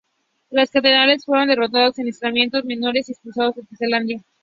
Los catalanes fueron derrotados en enfrentamientos menores y expulsados del Tesalia.